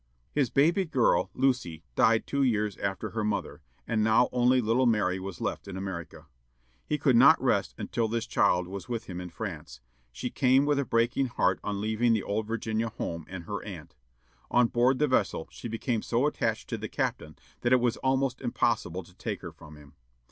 His baby girl, Lucy, died two years after her mother, and now only little Mary was left in America. He could not rest until this child was with him in France. She came, with a breaking heart on leaving the old Virginia home and her aunt. On board the vessel she became so attached to the captain that it was almost impossible to take her from him.